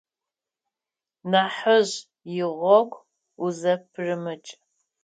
Нахьыжь игъогу узэпырымыкӏ.